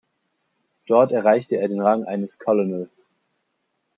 Dort erreichte er den Rang eines Colonel.